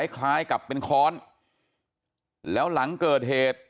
คล้ายกับเป็นค้อนแล้วหลังเกิดเหตุ